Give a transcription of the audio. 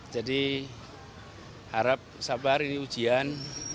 jadi harap sabar ini ujian